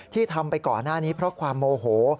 ที่ทำไปก่อนหน้านี้เพราะความโมโห